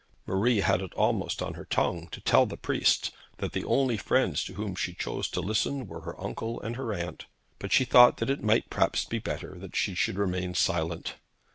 Marie had it almost on her tongue to tell the priest that the only friends to whom she chose to listen were her uncle and her aunt, but she thought that it might perhaps be better that she should remain silent.